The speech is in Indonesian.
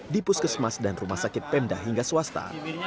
dipuskesmas dan rumah sakit pemda hingga swasta